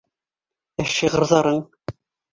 Ә шиғырҙарың!